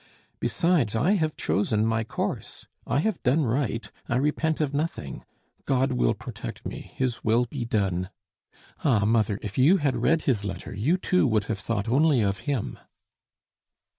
Besides, I have chosen my course. I have done right, I repent of nothing. God will protect me. His will be done! Ah! mother, if you had read his letter, you, too, would have thought only of him."